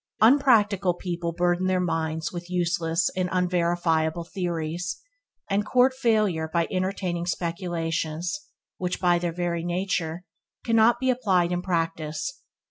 Unpractical people burden their minds with useless and unverifiable theories, and court failure by entertaining speculations which, by their very nature, cannot be applied in practice.